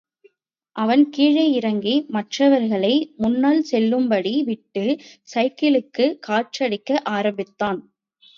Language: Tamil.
அவன் கீழே இறங்கி மற்றவர்களை முன்னால் செல்லும்படி விட்டு சைக்கிளுக்குக் காற்றடிக்க ஆரம்பித்தான்.